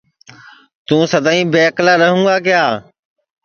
توں سدائیں بے اکلا رہوں گا کیا